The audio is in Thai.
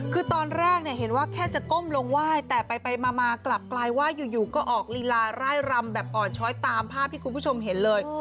คือตอนแรกเนี่ยเห็นว่าแค่จะก้มลงไหว้แต่ไปมากลับกลายว่าอยู่ก็ออกลีลาร่ายรำแบบอ่อนช้อยตามภาพที่คุณผู้ชมเห็นเลย